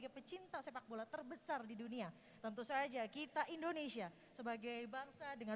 pon ke sembilan di kota bandung